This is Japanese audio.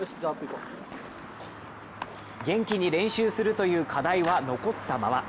元気に練習するという課題は残ったまま。